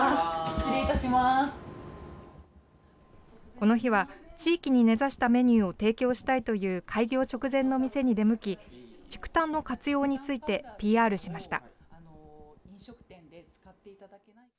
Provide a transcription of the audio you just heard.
この日は地域に根ざしたメニューを提供したいという開業直前の店に出向き、竹炭の活用についてＰＲしました。